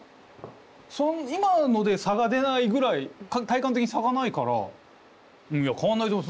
今ので差が出ないぐらい体感的に差がないから変わんないと思います。